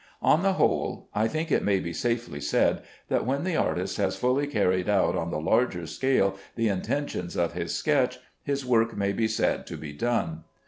On the whole, I think it may be safely said, that when the artist has fully carried out on the larger scale the intentions of his sketch, his work may be said to be done.